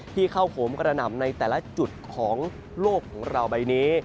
ที่เข้าโหมกระหน่ำในแต่ละจุดของโลกของเราใบนี้